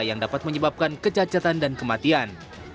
yang dapat menyebabkan kecacatan dan kematian